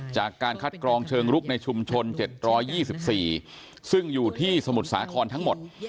จากการคัดกรองเชิงลุกในชุมชน๗๒๔ซึ่งอยู่ที่สมุทรสาครทั้งหมด